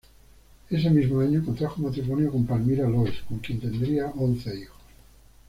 Ese mismo año contrajo matrimonio con Palmira Lois, con quien tendría once hijos.